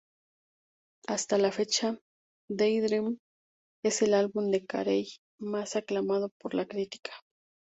Hasta la fecha, "Daydream" es el álbum de Carey más aclamado por la crítica.